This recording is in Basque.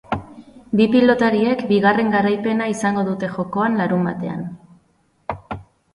Bi pilotariek bigarren garaipena izango dute jokoan larunbatean.